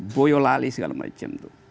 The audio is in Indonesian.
boyolali segala macam itu